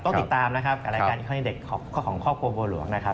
ต้องติดตามนะครับกับรายการเด็กของครอบครัวบัวหลวงนะครับ